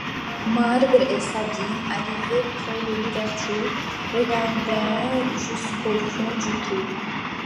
Marbre et Sabine, arrivés près de l’ouverture, regardèrent jusqu’au fond du trou.